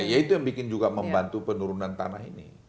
ya itu yang bikin juga membantu penurunan tanah ini